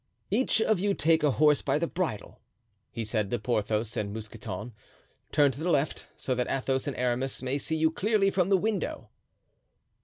"Each of you take a horse by the bridle," he said to Porthos and Mousqueton; "turn to the left, so that Athos and Aramis may see you clearly from the window."